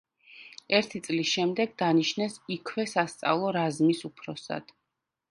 ერთი წლის შემდეგ დანიშნეს იქვე სასწავლო რაზმის უფროსად.